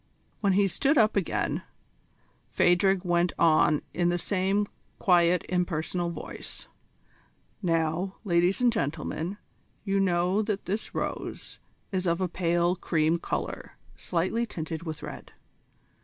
When he stood up again Phadrig went on in the same quiet impersonal voice: "Now, ladies and gentlemen, you know that this rose is of a pale cream colour slightly tinted with red.